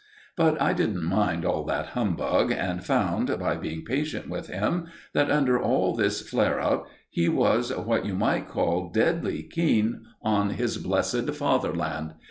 But I didn't mind all that humbug, and found, by being patient with him, that, under all this flare up, he was what you might call deadly keen on his blessed Fatherland.